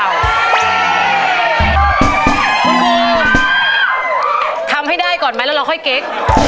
คุณบูทำให้ได้ก่อนไหมแล้วเราค่อยเก๊ก